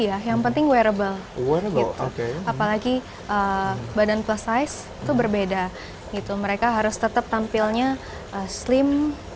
iya yang penting wearable apalagi badan plus size itu berbeda gitu mereka harus tetap tampilnya sleem